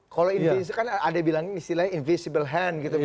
kalau ada yang bilang istilahnya invisible hand gitu